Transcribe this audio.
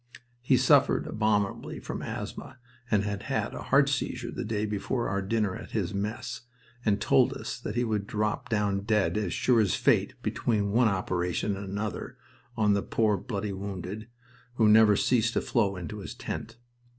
He suffered abominably from asthma and had had a heart seizure the day before our dinner at his mess, and told us that he would drop down dead as sure as fate between one operation and another on "the poor, bloody wounded" who never ceased to flow into his tent.